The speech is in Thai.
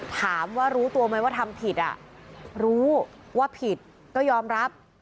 ถามว่ารู้ตัวไหมว่าทำผิดรู้ว่าผิดก็ยอมรับ